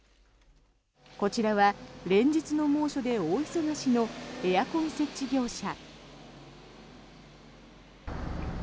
こちらは連日の猛暑で大忙しのエアコン設置業者。